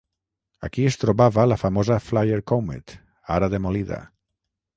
Aquí es trobava la famosa Flyer Comet, ara demolida.